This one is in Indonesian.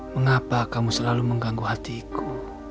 mengapa kamu selalu mengganggu hatiku